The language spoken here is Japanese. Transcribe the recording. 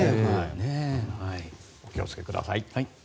お気をつけください。